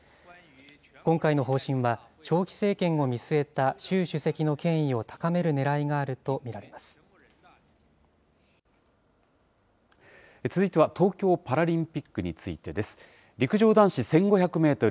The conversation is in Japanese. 今回の方針は、長期政権を見据えた習主席の権威を高めるねらいがあると見られま続いては、東京パラリンピックについてです。陸上男子１５００メートル